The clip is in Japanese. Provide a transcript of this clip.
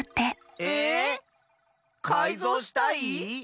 ええっ⁉かいぞうしたい？